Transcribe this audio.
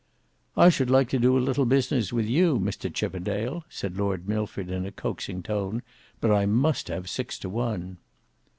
"I should like to do a little business with you, Mr Chippendale," said Lord Milford in a coaxing tone, "but I must have six to one."